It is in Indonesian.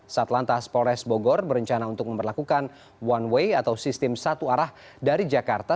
satlantas polres bogor berencana untuk memperlakukan one way atau sistem satu arah dari jakarta